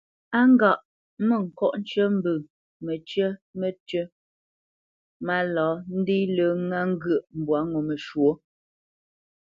A ghâʼ : mə ŋko ncə mbə məcyə̌ mətʉ́ mála ndé lə ŋa ŋgyə̂ʼ mbwâ ŋo məshwɔ́.